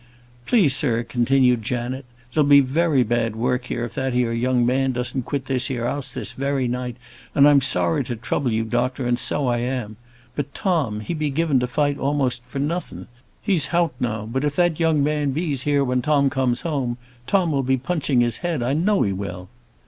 "Please sir," continued Janet, "there'll be bad work here if that 'ere young man doesn't quit this here house this very night, and I'm sorry to trouble you, doctor; and so I am. But Tom, he be given to fight a'most for nothin'. He's hout now; but if that there young man be's here when Tom comes home, Tom will be punching his head; I know he will."